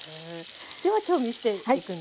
では調味していくんですね。